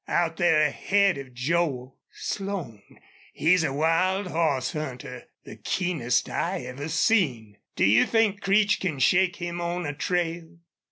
Out there ahead of Joel! Slone he's a wild hoss hunter the keenest I ever seen. Do you think Creech can shake him on a trail?